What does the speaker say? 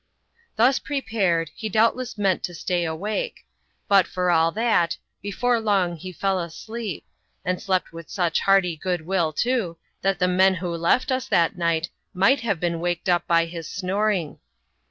Thus prepared, he doubtless meant to stay awake ; but for all that, before Jong he fell asleep ; and slept with such hearty good will too, that the men who left us that night might have been waked up by his snoring.